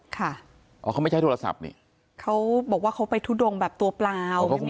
ค่ะอ๋อเขาไม่ใช้โทรศัพท์นี่เขาบอกว่าเขาไปทุดงแบบตัวเปล่า